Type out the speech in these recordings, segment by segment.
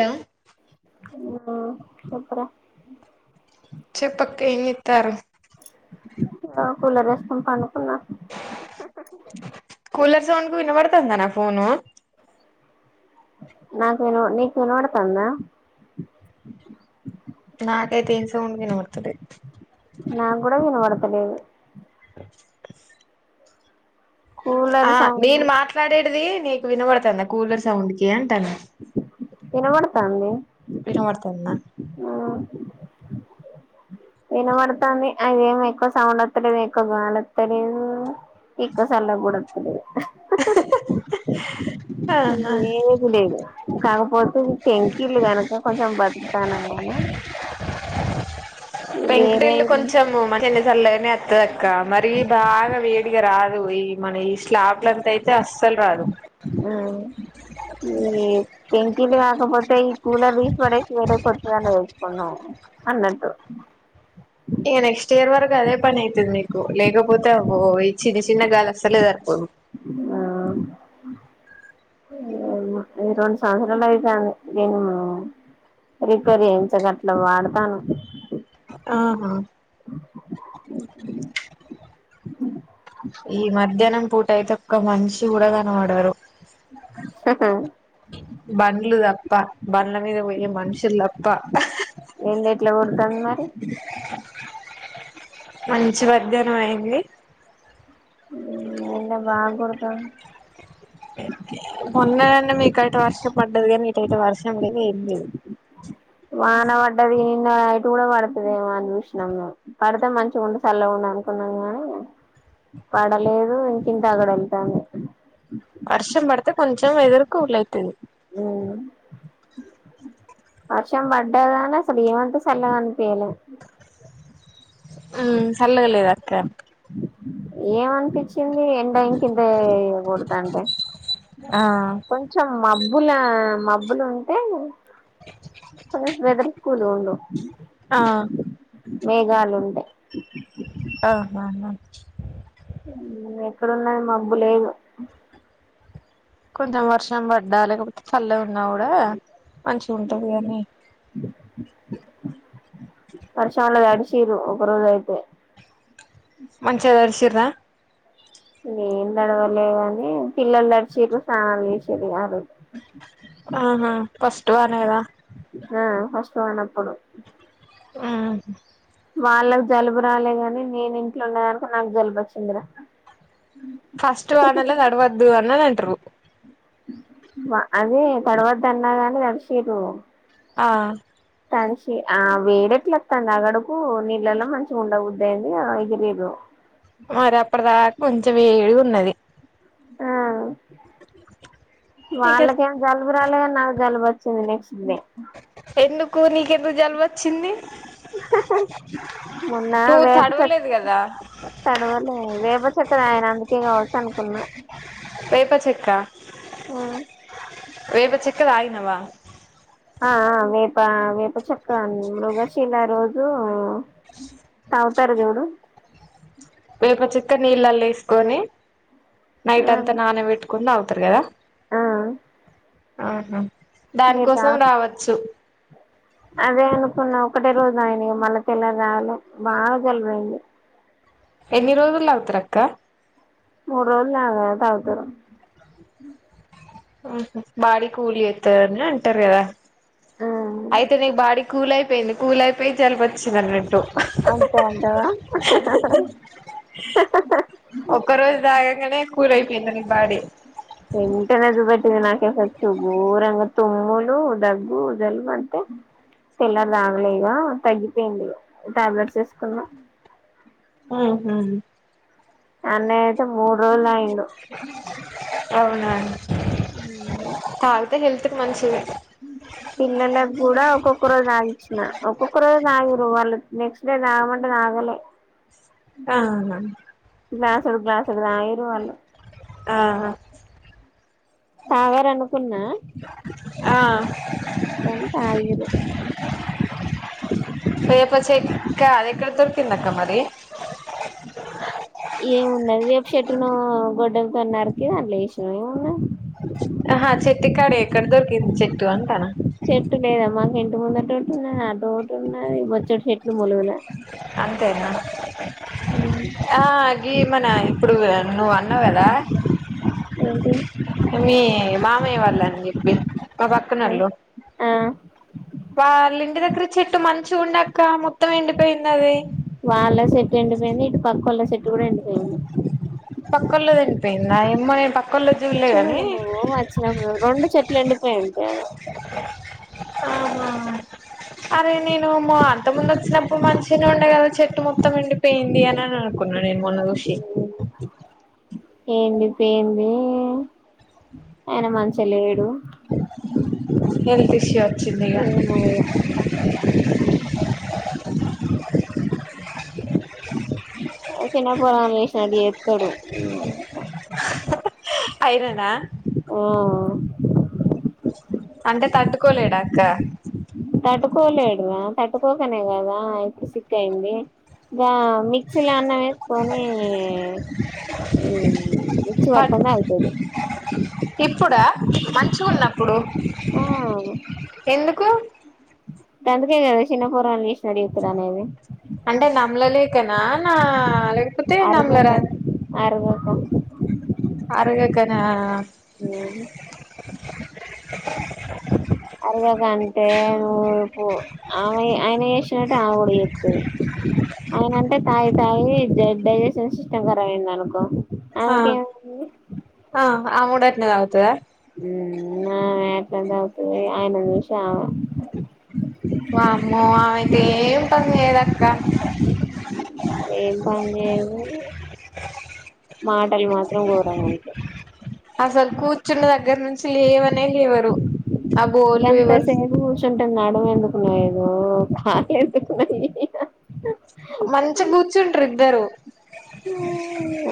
Hello ఆ చెప్పురా చెప్పక్క ఏం చెత్తరు కూలర్ వేసుకొని పనుకున్నా కూలర్ సౌండ్ కి వినబడతాందా నా ఫోను నాకు విన నీకు వినపడుతాంద [inaudible] నాకైతే ఏ సౌండ్ వినపడతలేదు నాకూడ ఇనపడతలేదు [inaudible] కూలర్ ఆ సౌండ్ నేన్ మాట్లాడేది నీకు వినబడుతుందా కూలర్ సౌండ్ కి అంటాన ఇనబడుతాంది ఇనబడుతాంద అ వినపడుతాంది అదేమో ఎక్కువ సౌండ్ వస్తలేదు ఎక్కువ గాలి వస్తలేదు ఎక్కువ సళ్ళగా కూడా వత్తలేదు [inaudible] ఏది లేదు లేదు కాకపో ఇది పెంకిల్లు కనుక కొంచెం బతుకుతాన్నాం గానీ పెంకుటిల్లు కొంచెము [unintelligible] అత్తదక్క మరి బాగా వే డిగా రాదు ఈ మన ఈ స్లాబ్లంతా అయితే అస్సలు రాదు హూ ఇంకేమి పెంకిల్లు కాకపోతే ఈ కూలర్ తీసి పడేసి వేరే కొత్తదన్న తెచ్చుకున్నాం అన్నట్టు ఇక నెక్స్ట్ ఇయర్ వరకు అదే పని అయితది మీకు లేగ పోతే బో ఈ చిన్న చిన్నగాలి అస్సలే సరిపోదు ఆ [unintelligible] రెండు సంవత్సరాలు అయితాంది నేను [unintelligible] ప్రిపేర్ చేయించగట్ల వాడతాను ఆహా ఈ మధ్యాహ్నం పూట అయితే ఒక్క మనిషి గూడా గనవడరు హహా బండ్లు దప్ప బండ్ల మీద వొయ్యే మనుషుల్ దప్ప ఎట్ల కొడ్తతద్ మరి మంచి మధ్యాహ్నం అయింది ఎండ బాగ గొడతాన్ మొన్ననన్న మీకైతే వర్షం పడ్డది గానీ ఇటైతే వర్షం లేదు ఏం లేదు వాన వడ్డది నిన్న నైటు గూడ వడుతదేమో అని చూసినం మేం, పడితే మంచిగుండు సల్లగున్న. అనుకున్నాం గానీ పడలేదు ఇంకింత అగడ ఎళ్తాంది తే కొంచెం వెదురు కూల్ అయితది ఊ వర్షం పడ్డాదానే అసల్ ఏమంత సల్ల అనిపయలే ఊమ్ సల్లగ లేద అక్క ఏమనిపిచ్చింది ఎండ ఇంకింతే గొడతాంటె ఆ కొంచెం మబ్బులా మబ్బులుంటే ఉ [unintelligible] వెదర్ కూలుగుండు ఆ మేఘాలుంటె అఆహ ఎక్కడున్నాయ్ మబ్బు లేదు కొంచెం వర్షం బడ్డా లేకపోతే చల్లగున్నా గూడా మంచి ఉంటది గాని పర్శాన్ల తడిశీరు ఒక రోజైతే మంచిగ తడ్శిర్రా ఏం దడవలే గానీ పిల్లల్ దడ్చిర్రు స్నానాల్ చేసిర్రు ఆ రోజు ఆహా ఫస్ట్ వానద ఆ ఫష్ట్ వానప్పుడు ఊ వాళ్ళ జలుబు రాలే గాని నేను ఇంట్లో ఉన్నదానికి నాకు జలుబు ఒచ్చిందిరా ఫస్ట్ వానల దడవద్దు అని అనంటరు వ అదే తడవద్దు అన్నాగాని దడిసిరు ఆ ఆ వేడి ఎట్లెత్తాంది అగడకు నీళ్ళలో మంచిగ ఉండబుద్దైంది ఇగ ఎగిరిరు కొంచెమేడి గున్నది ఆ నీక వాళ్ళకేం జల్ లుగురాల్లే గాని నాక్ జలుబొచ్చింది నెక్స్ట్ డే ఎందుకు నీకెందు జలుబొచ్చింది మొన్నా నువ్వు వేప చె తడవలేదు కదా తడవలే వేప చెక్క దాగిన అందుకే గావచ్చు అనుకున్నా వేప చెక్కా ఆ వేప చెక్క దాగినవా ఆ ఆ వేప వేప చక్క మృగశిల రోజూ తావుతారు జూడు వేపచెక్క నీళ్ళల్లో ఏసుకొని నైట్ ఆ అంత నాన వెట్టుకొని దాగుతరు గదా ఆ ఆహ మీరు దానికోసం తాగు రావచ్చు అదే అనుకున్న ఒకటే రోజు ఆయన మళ్ళ పల్ల రాాల బాగా గలువైంది ఎన్ని రోజుల్లో అవుతారక్క మూడు రోజులు తాగుతారు బాడి కూలి అవుతుందిని అంటారు కదా ఆ అయితే నీకు బాడి కూల్ అయిపోయింది కూల్ అయిపోయి జలుబు వచ్చింది అన్నట్టు అంతే అంటవా ఒక్క రోజు తాగాగానే కూల్ ఐపోయింది నీ బాడి ఎంటనే చూపెట్టింది నాకె ఫస్ట్ ఊరంగా తుములు దగ్గు జలుబు అన్ని పిల్లలు రాగలేగా తగ్గిపోయింది టాబ్లెట్స్ వేసుకున్నా ఆహ అన్న అయితే మూడు రోజులు తాగిండు అవునా తాగితే హెల్త్ కి మంచిది పిల్లలకుకి కూడా ఒక్కొక్క రజ ఆ ఒక్కొక్క రోజ తాగిరు వా నెక్స్ట్ డే తాగమంటే ఆగలే ఆా గ్లాస్ ఎడుదు గ్లాస్ ఎడుదు ఆయ రూవలో ఆ తవరను పున్నా ఆ ఎంత ఆయిదు వేపచెక్క ఎక్కడ దొరికింది అక్క మరి ఏముండదు వేపు చెట్టును గొడ్డలతోన్నారుకి అ లేష ఏముండదు హా చెట్టు కడ ఎక్కడ దొరికింది చెట్టు అంటానా చెట్టు లేదా మాకు ఇంటి ముందు అటుట్టు ఉన్న అటు ఒకటు ఉన్నది మచ్చటి చెట్లు ములుగుల అంతేనా అగ మన ఇప్పుడు నువ్వు అన్నావు కదా ఏంటి మీ మామయ్య వాళ్ళ అని చెప్పి మా పక్కనళ్ళు ఆ వాళ్ళ ఇంటి దగ్గర చెట్టు మంచిగా ఉండక మొత్తం ఎండిపోయింది అది వాళ్ళ సెట్టు ఎండిపోయింది ఇటు పక్క వాళ్ళ సెట్ కూడా ఎండిపోయింది పక్క వాళ్ళది ఎండిపోయిందా ఏ మ ప చూడ నువ్వు వచ్చినప్పుడు రెండు చెట్లు ఎండిపోయి ఉంటాఇ అరే నేను మా అంత ముందు వచ్చినప్పుడు మంచిగా ఉండే కదా చెట్టు మక్క మొత్తమండిపోయింది అని అని అనుకున్నాను నేను మొన్న చూసి ఏండి పోయింది ఆయన మంచి లేడు హెల్త్ ఇష్యూ వచ్చింది ఇక ఏమో ఇగ చిన్న పోరగాళ్లు చేసినట్టు చెస్తాడు అయినానా ఆ అంటే తట్టుకోలేడాక్క తట్టుకోలేడ్రా తట్టుకోకనే కదా అయి సిక్కయింది ఇ మిక్సీ లో అన్నం వేసుకొని మక్స్ బట్ పట్కంద అవుతుాది ఇప్పుడా మంచిగా ఉన్నప్పుడు ఆ ఎందుకు గందికే కదా చిన్న పోరగాన చేసి రెడీ అయితరు అనేది అంటే నమ్లలేకనా నా లేకపోతే నమ్లరాదు హ అరగకనా అరగదంటే నువ్వు పో ఆమె ఆయన సినట్టు ఆమె కూడ చెత్తది అయనంటే తాగి తాగి జ డైజెషన్ సిస్టమ్ కరబైదనుకో ఆ ఆ ఆమే కూడ అట్నే తాగుతాద మ్ ఆమే అట్లానే తాగుతది అయను చీసి అమ ఎం పని చేయడక్క ఏం పని చేయద్ మాట్ టల్ మాత్రం గోరంగుంటాయ్ అసలు కూర్చున్న దగ్గర నుంచి లేవనే లేవరు ఆ బోళ్ళు ఎవర్ కూర్చుంటే నడుమెందుకు నోయ్యదో కాళ్లేందుకు నోయ్ మంచిగ కూర్చుంటారు ఇద్దరు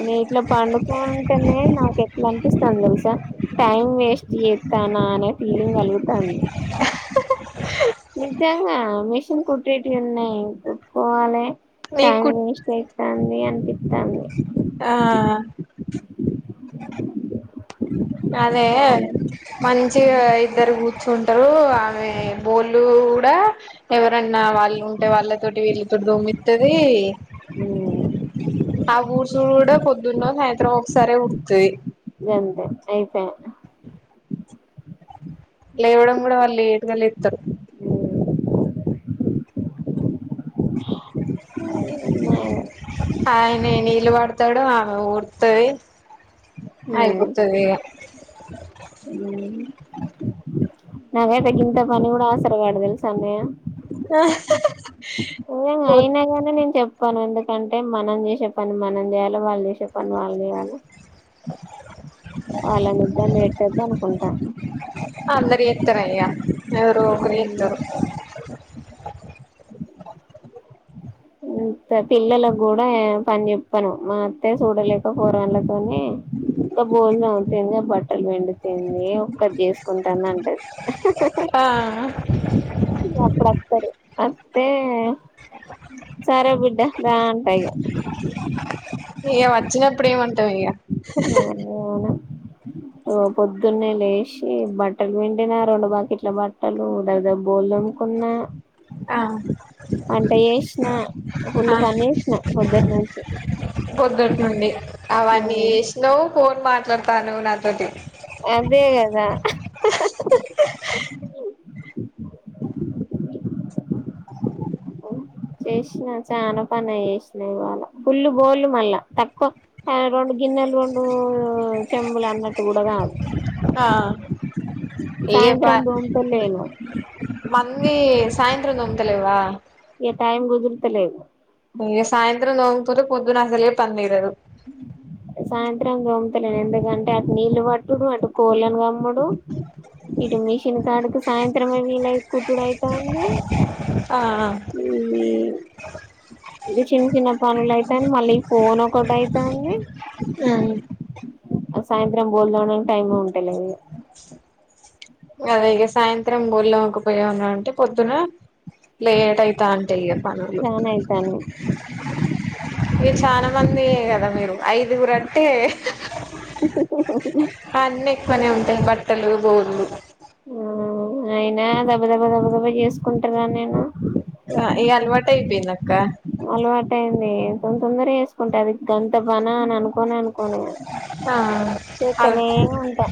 నే ఇట్లా పండుకుంటేనే నాకు ఎట్లా అంప్ పిస్థాంది తెలుసా టైం వేస్ట్ చేత్తనా అనే ఫీలింగ్ కలుగుతంది నిజంగా మిషన్ కుట్టేటివి ఉన్నాయి కుట్టుకోవాలే టైం నీకు వెస్ట్ టైంతాంది అనిపితంది ఆ అదే చాలు మంచ్ మంచిగ ఇద్దరు కూర్చుంటారు ఆమె బోళ్ళు కూడా ఎవరన్నా వాళ్ళు లో ఉంటే వాళ్ళతోటి వీళ్ళతోటి దోమిత్తది మ్మ్ ఆ ఊడ్సుడు కూడా పొద్దున్నో సాయంత్రమొ ఒకసారిే ఉడుత్తది గంతే ఆయిపాయె లేవడం కూడా వాళ్ళు లేట్గా లేత్తరు ఏమో ఆయన నీళ్లు పడుతాడు ఆమే ఊడుత్తది మ్మ్ ఆయిపోతది ఇగ నాకైతే గింత పని కూడా ఆసర కడు తెలుసా అన్నయ్య ఆ మ్ అయినాగాని నేను చెప్ కోను ఎందుకంటే మనం చేసే పని మనం చేయాలే వాళ్ళు చేసే పని వాళ్ళు చేయాలే వాళ్ళను ఇబ్బంది పెట్టదనుకుంటా ఎవరు ఒక రిద్దరు ఇంత పిల్లలకు కూడా పని చెప్పాను మా అత్తే చూడలేక పోరాళ్లతోనే గా బోళ్ళుతోముతేందే బట్టలు పిండుతెందే ఒక్కత్ చేసుకుంటంది అంటది ఆ అప్పుడతారు అత్తే సరే బిడ్డ ద అంట ఇగ ఇగ వచ్చినప్పుడు ఏమంటవ్ ఇగ అదే అన పొద్దున్నే లేచి బట్టలు పిండినా రెండు బకెట్ల బట్టలు దగ ద బోల్ తో కున్నా ఆ వంట చేసిన ఫుల్ల్ పని వేసిన పోద్దటి నుంచి పొద్దట్ నుండి అవన్నీ మ్మ్ చేసినావు ఫోన్ మాట్లాడుతనవ్ నాతోటి అదే గదా చేసిన చాన పనే చేసినా ఇవాళ ఫుల్లు బోళ్ళు మళ్ళా తక్కువ ఆ రెండు గిన్నెల్ రెండు చెంబులన్నట్టు కూడా కాదు ఆ ఇగ ప సాయంత్రం దోముతలేను మందిీ సాయంత్రం దొముతలేవా ఇగ టైమ్ కుదుర్తలేదు ఇ సాయంత్రం నోంగపోతే పొద్దున అసలేే పని తెగదు సాయంత్రం దొమ్ముతలేను ఎందుకంటే అటు నీళ్లు పట్టుడు అటు కోళని కమ్ముడు ఇటు మిషిన్ కడుకు సాయంత్రమే మీలయి కుతుడయి ఆ ఇది చిన్న చిన్న పనులు అయితడి మళ్ళీ ఫోన్ ఒకటి అయితండి ఆ ఉమ్ ఆ సాయంత్రం భోజనాలకి టైమే ఉంటలేదు అద ఇక సాయంత్రం గోళంకపోయా ఉన్నాంటే పొద్దున లేట్ అయితాంటాయి ఇక పనులు చానా అయితాంది ఇ చాలా మంది అయ్యాయి కదా మీరు ఐదుగురు అంటే పనే ఉంటాయి బట్టలు బోళ్లు ఆ అయినా దబ్బ దబ్బ దబ్బ దబ్బా చేసుకుంటార నేను ఈ అలవాటైపోయింది అక్క అలవాటు అయింది తొందర వేసుకుంటే అది గంత బన అని అనుకోని అనుకోని ఆ అల్ ఉంటా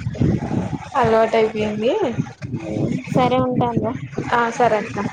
అలవాటు అయిపోయింది ఉ సరే ఉంటా ఇంగ ఆ సరే అక్క